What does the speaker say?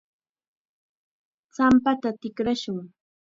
champata tikrashun.